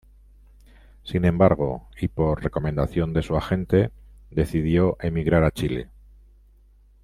Sin embargo, y por recomendación de su agente, decidió emigrar a Chile.